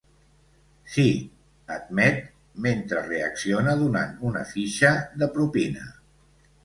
Sí —admet, mentre reacciona donant una fitxa de propina.